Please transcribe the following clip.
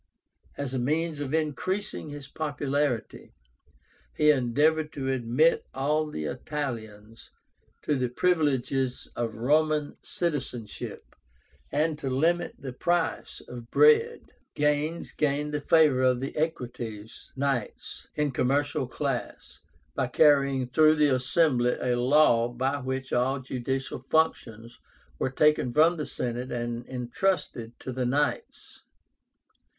As a means of increasing his popularity, he endeavored to admit all the Italians to the privileges of Roman citizenship, and to limit the price of bread. Gains gained the favor of the Equites (Knights), the commercial class, by carrying through the assembly a law by which all judicial functions were taken from the Senate and intrusted to the Knights.